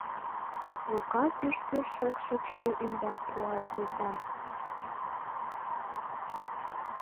Лука пӱж-пӱж шокшо чай ӱмбак пуал колта.